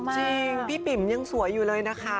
ชิ่งพี่ปิ๋ย์มันยังสวยอยู่เลยนะคะ